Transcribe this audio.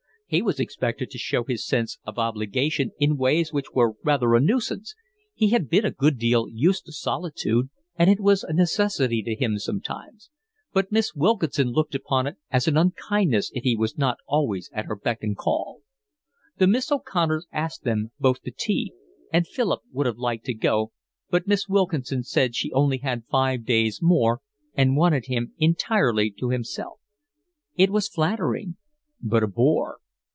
He was expected to show his sense of obligation in ways which were rather a nuisance: he had been a good deal used to solitude, and it was a necessity to him sometimes; but Miss Wilkinson looked upon it as an unkindness if he was not always at her beck and call. The Miss O'Connors asked them both to tea, and Philip would have liked to go, but Miss Wilkinson said she only had five days more and wanted him entirely to herself. It was flattering, but a bore.